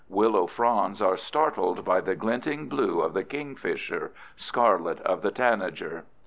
Willow fronds are startled by the glinting blue of the kingfisher, scarlet of the tanager.